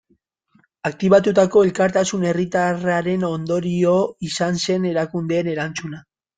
Aktibatutako elkartasun herritarraren ondorio izan zen erakundeen erantzuna.